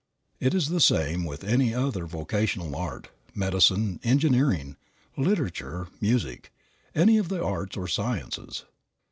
It is the same with any other vocation or art, medicine, engineering, literature, music; any of the arts or sciences.